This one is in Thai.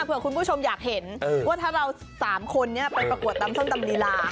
เผื่อคุณผู้ชมอยากเห็นว่าถ้าเรา๓คนนี้ไปประกวดตำส้มตำลีลา